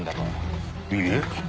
いいえ。